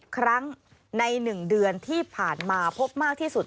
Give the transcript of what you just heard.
ครั้งใน๑เดือนที่ผ่านมาพบมากที่สุด